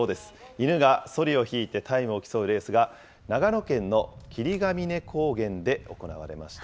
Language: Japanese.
犬がそりを引いてタイムを競うレースが、長野県の霧ヶ峰高原で、行われました。